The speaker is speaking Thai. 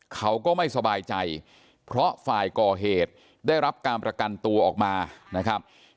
เขาก็ไม่สบายใจเพราะฝ่ายก่อเหตุได้รับการประกันตัวออกมานะครับ